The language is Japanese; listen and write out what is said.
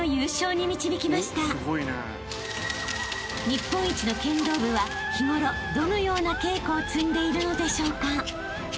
［日本一の剣道部は日頃どのような稽古を積んでいるのでしょうか］